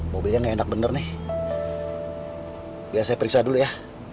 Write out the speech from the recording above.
mobilnya enak bener nih biasa periksa dulu ya